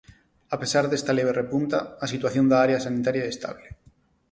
A pesar desta leve repunta, a situación da área sanitaria é estable.